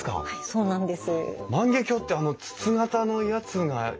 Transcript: そうなんです。